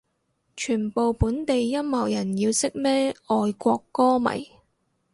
全部本地音樂人要識咩外國歌迷